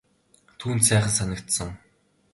Түүнд сайхан санагдсан.